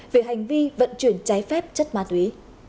về hành vi vận chuyển trái phép chất ma túy